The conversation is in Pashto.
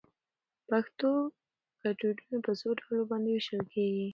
پښتو ګړدودونه په څو ډلو باندي ويشل کېږي؟